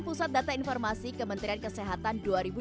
pusat data informasi kementerian kesehatan